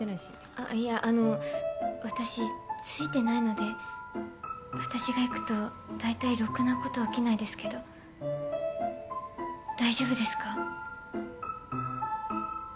あいやあの私ついてないので私が行くとだいたいろくなこと起きないですけど大丈夫ですか？